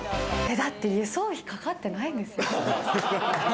だって輸送費かかってないんですよ。